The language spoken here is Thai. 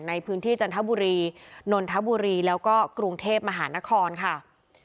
ในพื้นที่จันทบุรีนนทบุรีแล้วก็กรุงเทพมหานครค่ะ